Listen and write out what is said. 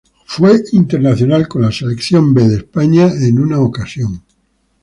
Fue internacional con la "selección B" de España en una ocasión.